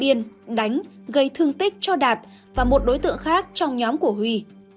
tiên đánh gây thương tích cho đạt và một đối tượng khác trong nhóm của huy